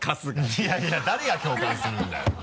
いやいや誰が共感するんだよ。